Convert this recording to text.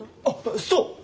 あっそう！